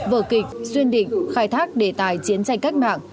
vợ kịch duyên định khai thác đề tài chiến tranh cách mạng